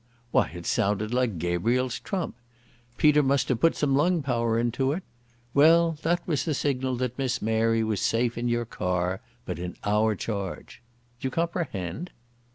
Why, it sounded like Gabriel's trump. Peter must have put some lung power into it. Well, that was the signal that Miss Mary was safe in your car ... but in our charge. D'you comprehend?"